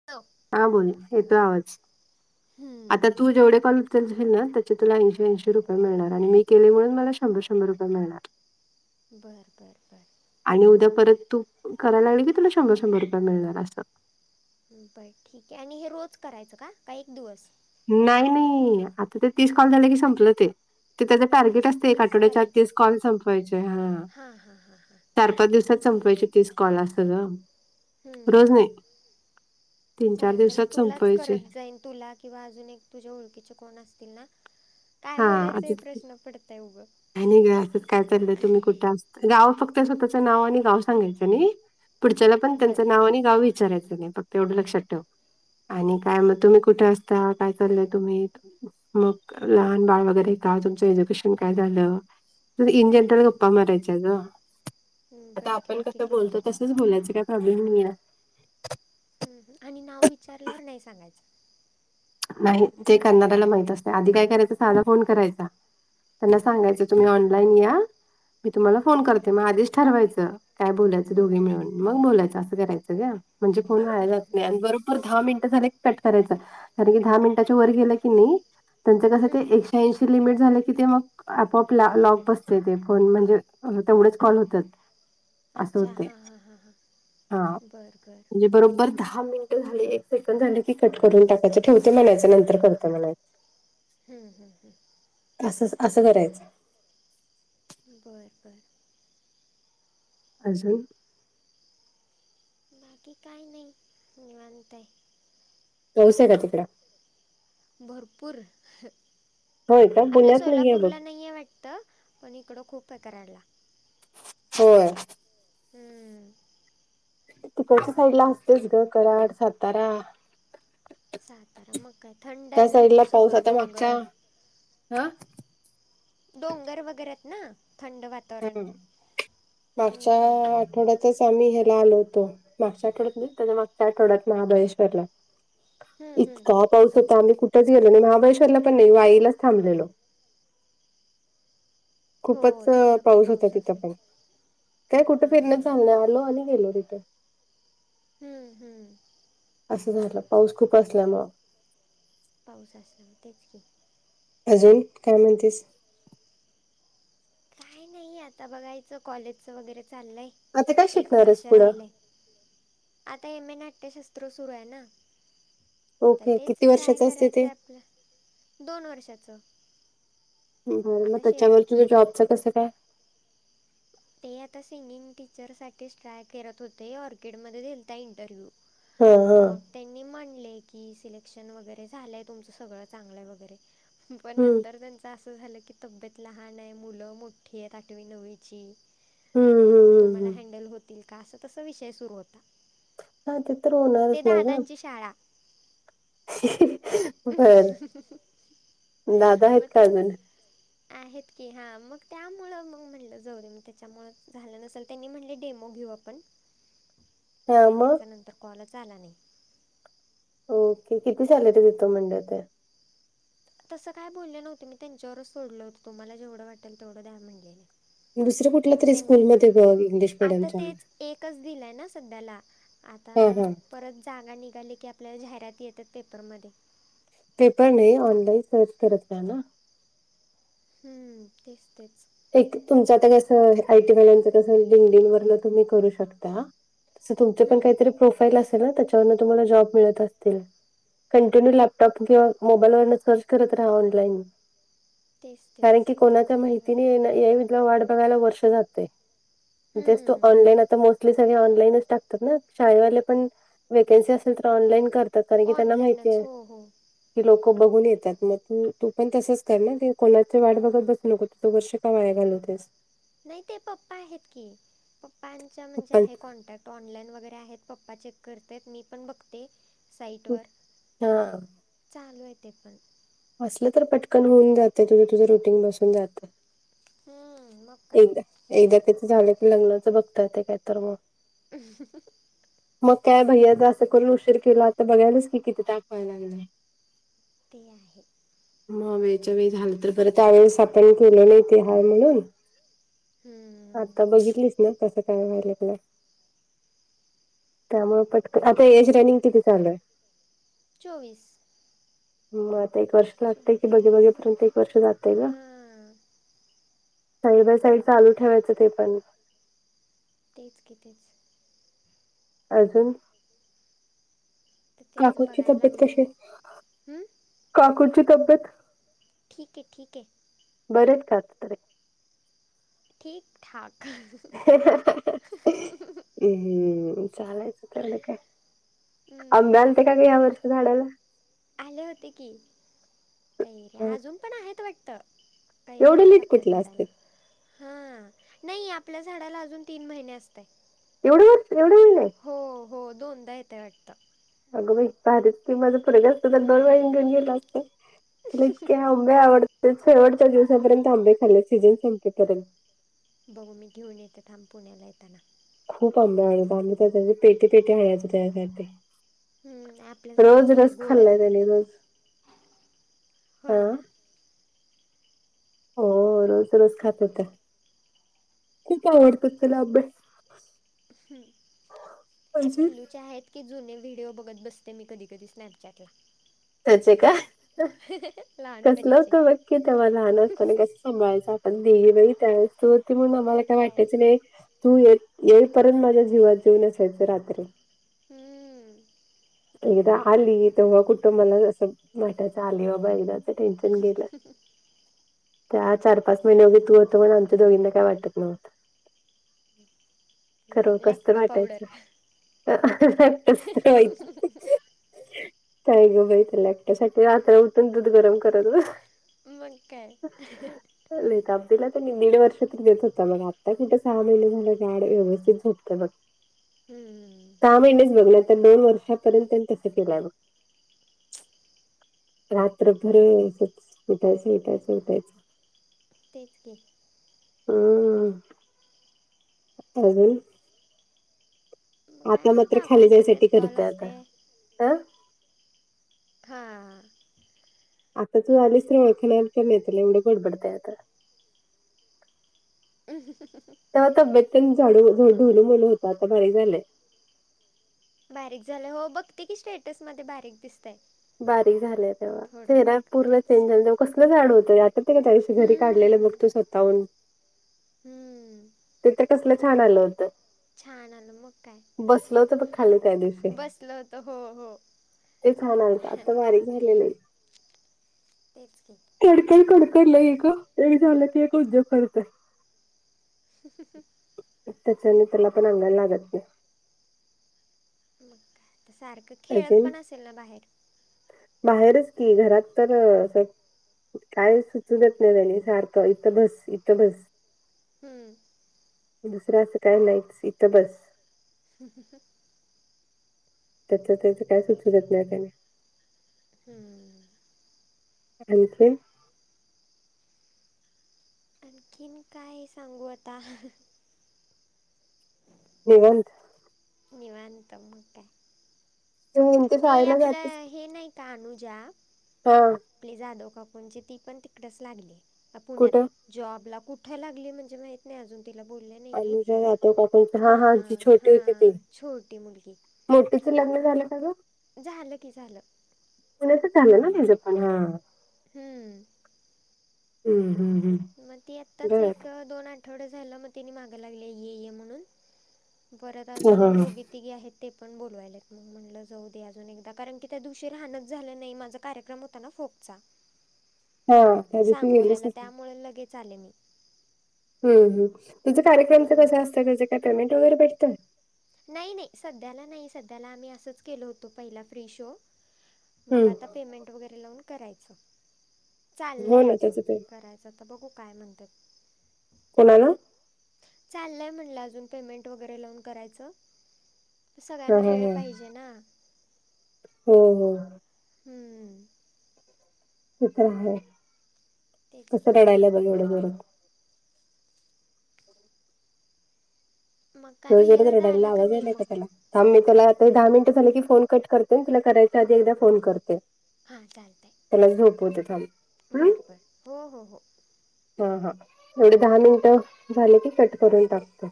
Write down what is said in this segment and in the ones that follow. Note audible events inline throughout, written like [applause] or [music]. [unintelligible] हा बोल. येतोय आवाज हम्म आता तू जेवढे कॉल उचलशील ना त्याचे तुला ऐंशी ऐंशी रुपये मिळणार आणि मी केले म्हणून मला शंभर शंभर रुपये मिळणार. बरं - बरं -बरं. आणि उद्या परत तू करायला लागल की तुला शंभर - शंभर रुपये मिळणार असं. बरं ठीक आहे. आणि हे रोज करायचं का? का एक दिवस? नाही नाही आता ते तीस हम्म, कॉल झाल की संपलं ते. ते त्याचं टार्गेट अच्छा असतय एक तीस आठवड्याच्या आत करायचे तीस आहेत. कॉल संपवायचे. हा. हां हां हां हां चार पाच ठीक आहे दिवसात की संपावायचे तीस कॉल अस ग. हम्म रोज हम्म नाही ह् तीन चार चालतय मग दिवसात तुलाच संपवायचे करत जाईन. तुलाच किंवा अजून एक तुझ्या ओळखीचे कोणी असतील ना? काय हा बोलायचं हे आता प्रश्न पडतय उगं. काय नाही ग असंच काय चाललंय तुम्ही कुठं गाव फक्त स्वतःचं नाव आणि गाव सांगायचं नाही. पुढच्याला पण बर त्यांचं नाव आणि गाव वि चारायच नाही फक्त एवढं लक्षात ठेव. आणि काय मग तुम्ही कुठे असता काय चाललंय तुम्ही त मग लहान बाळ वगैरे का तुमचं एज्युकेशन काय झालं? इन हम्म हम्म जनरल गप्पा हम्म मारायच्या ग. हम्म, बर आता आपण ठीक आहे कसं ठीक आहे बोलतो तस तेच बोलायच काही प्रॉब्लेम नाहीयाय. हम्म ह आणि नाव विचारल्यावर नाही सांगायचं. नाही ते करणाऱ्याला माहित असते आधी काय करायचं साधा फोन करायचा त्यांना हम्म सांगायचं. तुम्ही ऑनलाईन या मी तुम्हाला फोन हम्म करते मग अधीच ठरवायचं काय बोलायंच हम्म दोघी हम्म मिळून. मंग बोलायचं असं करायचं गं म्हणजे कोणं मंग फोन हम्म लावायचं हम्म असतंय हम्म. दहा मिनटं झालं कि कंट करायंचा मंग तुम्हीं दहा मिनिटांच्या वरं गेलं कि तेचं कसे हम्म, एक्सट्रा ऐंशी लिमिट झाले कि ते मंग आपआप लॉक बसते ते फोन म्हणजे तेवढेच कॉल होतांत असं अच्छा होतंय हां हां हां हां हां बरं बरं म्हणजे बरोबर दहा मिनिटं झाले एक सेकंड झाले की कटं करूंन टाकायचं ठेवते म्हणायचं नंतर करतो म्हणायचं हम्मं हम्मं हम्मं असंच असं करायचं बरं बरं अजूंन बाकी कायं नाहीं निवांत हांय पाऊस आहे कां तिकडं भरंपूर होय का आपल्या पुण्यात नाहीये बघ. सोलापूरला नाहीं आहे वाटतं तरं पणं इकडं खूंप आहे करांडला होयं हम्मं- तिकडंच्या साईड लां असतेच गं करांड सातांरा. सातांरा मंग कायं थंड आहे त्या नां इथं साईडला पाऊस सगळं आता मागच्या डोंगर हा. डोंगर वगैरेंत नां थंड वाटतं हम्मं पावसाळां ह्या आठवड्यांत त्यांचं आम्हीं ह्यांला आलो होतो मागच्या आठवड्यांत नाहीं त्यांच्या मागच्या आठवड्यांत महाबळेश्वरला. हम्म, हम्म. इतकां पाऊस होतां आम्हीं कुठेचं गेलो नाहीं महाबळेश्वरला पणं नाहीं वाईलांच थांबलेलो. हो खूपचं अं तिकडं पण पाऊस होतां तिथं असेल पणं कायं कुठं फिरणंच हां झालं नाहीं आलो आणि गेलो तिथं. हम्मं हम्मं असं झालं पाऊस खूंप असल्यामुळं. पाऊस असंला मं तेचं की. अजूंन कायं म्हणतेसं कांहीं नाहीं आंता बघायचं कॉलेजचं वगैरें चाललंय. आता काय एक शिकणार वर्ष आहेस पुढं? राहिलय आंता एम ए नाट्यशास्त्र सुरूं आहे नां आंता ओके तेचं किती ट्राय वर्षाचं असते ते? करायचंय आपलं दोन वर्षाचं. बरं मंग आता त्यांच्यावर शेवटचं तुझं जॉबच कसं कायं? ते आंता सिंगिंग टीचरसांठीच ट्राय करतं होते ऑर्किडमध्यें दिलतां आंता इंटरव्ह्यू. हं हं मग त्यांनी म्हणले की सिलेक्शन वगैरें झालंय तुमचं सगळं चांगलंय वगैरें. पणं हम्म नंतर त्यांच असं झालं की तब्येत लहांन आहे मुलं मोठी आहेत आठवी नववीची. हम्मं हं मंग तुम्हांला हँडल होतील कां असं तसं विषय सुरूं होतां. हा ते तर होणारच ते ना ग. दादांची शाळां. हं बर हं हं दादा आहेत मं का तेेचं. अजून? आहेतं की हां मंग त्यांमुळं मंग म्हनलं जाऊं दे मंग त्यांच्यामुळेच झालं नसेल त्यांनी म्हणले डेमो घेऊ आपणं. पणं हा कायं मग. त्यांचा नंतर कॉलच आंला नाहीं. ओके किती झालं तुमचं मंडळच म्हणल्यां त्यां तसं कायं बोलले नव्हते मी त्यांच्यावरच सोडलं होतं तुम्हांला जेवढं वाटेल तेवढं द्यां म्हनलेले दुसरे कुठल्यां तरी स्कूंलमंध्ये बघं इंग्लिश आता मिडियमच्या. तेच एकच दिलाय ना सध्याला हा आता हा परत जागा निघाली की आपल्याला जाहिराती येतात पेपरमध्ये. ते पण ये, ऑनलाईन सर्च करत रहा ना हम्म तेच तेच एक तुमच आता कसं आय टी वाल्यांच कसं लिंडिंग वरना तुम्ही करू शकता. अस तुमच पण हम्म, कायतरी प्रोफाईल असल ना त्याच्यावरन तुम्हाला जॉब मिळत असतील. कंटिन्यू लॅपटॉप किंवा मोबाईलवरन सर्च करत राहा ऑनलाईन. तेच तेच कारण की आता कोणाचा चालू माहित हेना एवीजा वाट बघायला वर्ष जातंय म तेच तू आहे ऑनलाईन आता मोस्टली सगळे ऑनलाईनच टाकतात ना शाळेवाले पण वेकन्सी असेल तर ऑनलाइन कर तात कारण की त्यांना माहिती ऑनलाईनच ये हो हो की लोक बघून येतात मग तू तू पण तसंच कर ना ते कॉलाच वाट बघत बसू नको तू वर्षे का वाया घालवतेस? नाय ते पप्पा आहेत की पप्पांच्या म्हणजे पण आहे कॉन्टॅक्ट ऑनलाईन वगैरे आहेत पप्पा चेक करतायेत मी पण बघते साईटवर हा चालू हाय ते पण असलं तर पटकन होऊन जातय तुझ तुझ रुटीन बसून जातंय. हम्म मग काय एकदा त्याच झालं की लग्नाच बघता येतय काय तर मग [unintelligible] मग काय भैयाचा असं करून उशीर केला आता बघायलास की किती ताप व्हाय लागलाय ते आहे. म वेळच्या वेळी झालं तर बरं त्यावेेळेस आपण केलं नाय ते हाय म्हणून हम्म, आता बघितलीस ना कसं काय व्हाय लागलाय. त्यामुळ पटकन आता एज रनिंग किती चालू हाय? चोवीस हूं म आता एक वर्ष लागतय की चोवीस बघन तेवीस [unintelligible] ते एक वर्ष जातय ना हां साईड बाय साईड चालू ठेवायचं ते पण तेच की तेच अजून, तर तेच काकूची बघायला तब्येत लागलो कशी ये? हम्म, काकुंची तब्येत ठीकये ठीकये. बरेयेत का आता तरी ठीक ठाक हम्म चालायचं तेवढं काय, आंब्ये हम्म, आलते काय ग या वर्ष झाडाला आले होते की, कैऱ्या अजून पण आहेत वाटत. कैऱ्या एवढं आहेत लीट आपल्या कुठलं असते झाडाला हा नाई आपल्या झाडाला अजून तीन महिने असतय. एवढं व्हत एवढ होईले. हो हो दोनदा येतय वाटत. अग बाई! भारीच की माझ पोरगं असत तर लय बाई हम्म, [unintelligible] गेल असत त्याला इतके आंबे आवड तेे शेवटच्या दिवसापर्यंत आंबे खाल्ले सीझन संपेपर्यंत बघू मी घेऊन येते थांब पुण्याला येताना खूप आंबे आवडतो आम्ही त्याज्यासाठी पेटी पेटी न्यायचो त्याज्यासाठी हम्म, आपल्या रोज झाडाचे लय रस गोड खाल्लाय आहेत त्यानी रोज. हो हा आहे ना [unintelligible] हो रोज रोज खात होता. खूप आवडतात त्याला आंबे. हम ह्या अजून पिल्लूच्या हायेत. की जुने व्हिडिओ बघत बसते मी कधी कधी स्नॅपचॅटला. त्याच का? कसलं लहानपणीचे होतं बघकी तेव्हा. लहान असतना कस संभाळच आपण. दवेही त्या तो म्हणून आम्हाला काय वाटयच नाही. तू ये येईपर्यंत माझ्या जीवात जेव नसायचा रात्री. हम्म. एकदा आली तेव्हा कुठ मला असं वाटायचं. आली बाबा एकदा टेन्शन गेलं. त्या चार पाच महिने उगे तू होतं म्हणून आमच्या दोघीना काय वाटत नव्हत. खरं कसत लॅक्टो वाटायचं. पावडर कसरत व्हायच. काही ग बाई त्याला एकट्या साठी रात्र उठून दूध गरम करत. मग काय. लई ताप दीला त्यांनी. दीड वर्ष तर देत होता बग. आत्ता कुठं सहा महिने झालं गड व्यवस्थित होत बघ. [inaudible] हम्म हम्म. हा महिनेच बघणार तर दोन वर्षापर्यंतन तस केलं बघ. रात्रभर असच उठायच उठायचं, उठायच. ठीके. हम्म. आजोळी. मग काय आता नाही मात्र खाली काकूंचं जायसाठी तेच कॉल करतय आता. असते ह. हा. आता तू आलीस तरी ओळखनार पण नाही तुला. एवढं बडबडतय आता. [unintelligible] तेव्हा तब्येत पण झाडू ढोलू मोलू होता. आता बारीक झालंय. बारीक झाले. हो बघते की स्टेटसमध्ये बारीक दिसतय. बारीक झाले तेव्हा. चेहरा पूर्व तेच चेंज झाला. तेव्हा कसलं जाड होतं. होती का त्या दिवशी घरी काढलेला बघ हम्म तो स काऊन. हम्म ते तर कसलं छान आलं होतं. अन मग काय. बसल होत बघ खाली त्या दिवशी. बसलं होतं हो हो ते छान आल. आता बारीक झाले लई. तेच की कडकड कडकडलंईय ग. एक झालं की एक उद्योग करतय. [unintelligible] त्याच्याने त्याला पण अंगाला लागत नाही. मग काय? सारखं नाही खेळत अजून पण असेल ना बाहेर? बाहेरच की, घरात तर काय सुचू देत नाही त्यांनी. सारखं इथं बस. इथं बस. हम्म. दुसरं असं काय नाहीत इथं बस. [unintelligible] त्याच त्याच काय सुचू देत नाही त्याने. हम्म. आणखीन? आणखीन काय सांगू आता? निवांत. निवांत मग काय. ते शाळेला जातेस आपलं हे नाही का अनुजा- हा. [unintelligible] ती पण तिकडेच लागलीय पुण्यात. कुठं जॉबला कुठे लागली, म्हणजे माहित नाही अजून. तिला बोलले नाही मी. अनुजा जातो का आपण हा, जी छोटी हा, होती ती छोटी मुलगी. मोठीच लग्न झालं का ग? झालं की झालं. पुण्यातच झालं ना तिच पण, हा. हम्म. हं, हं. मग ती आत्ताच एक, दोन आ- आठवडे झाल, मग त्येनी माग लागली ये म्हणून, परत हा हा अजून हा. दोघी - तिघी आहेत, ते पण बोलवायल्यात ग, म्हणलं जाऊ दे अजून एकदा कारण की, त्या दिवशी राहनच झालं नाही माझं कारण - क्रम होता ना फोकचा- [inaudible] त्या दिवशी गेलीच सांगोल्याला, नाही. त्यामुळे लगेच आले मी. हं, हं. तुझं कार्यक्रमच कस हम्म. असतय, त्याच काय पेमेंट वगैरे भेटतं? नाही, नाही, सध्याला नाही सध्याला आम्ही असंच केलो होतो, पहिला फ्री शो मग हम्म. आता - पेमेंट वगैरे लावून करायच, हो चाललय ना अजून त्याचं पे कराय - च, आता बघू काय म्हणत्यात. कोणाला? चाललंय म्हणलं, अजून पेमेंट वगैरे लावून करायचं. हा सगळ्यांना हा वेळ हा पाहिजे ना. [unintelligible] हम्म. ते तर आहे, तेच की कसं रडायला बघ एवढं [unintelligible] मग काय भैया जोरजोरात दादा रडालय आला आवाज नाही यायलाय मग का त्याला? हं, मी त्याला आता दहा मिनिटं झाले की फोन कट करते, तुला करायच्या आधी एकदा फोन करते. हा चालतय. त्यालाच झोपवते खाली. बर, बर, हो, हो. हा, हा, एवढे दहा मिनट झाले की, कट करून टाकतो.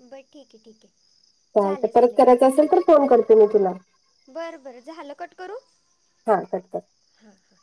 बर, ठीक आहे, ठीक आहे. चालतंय झाले परत झाले, करायचं असेल तर फोन करते मी तुला बर, बर, झालं कट करू? हा करतात. हा. हा.